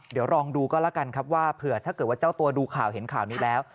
เดี๋ยวลองดูก็แล้วกันครับว่าเผื่อถ้าเกิดว่าเจ้าตัวดูข่าวเห็นข่าวนี้แล้ว